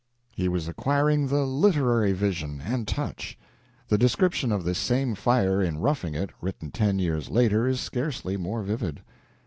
He was acquiring the literary vision and touch. The description of this same fire in "Roughing It," written ten years later, is scarcely more vivid.